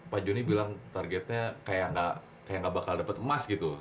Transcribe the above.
pak jonny bilang targetnya kayak enggak bakal dapet emas gitu